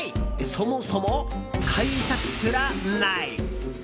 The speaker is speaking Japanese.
そもそも、改札すらない！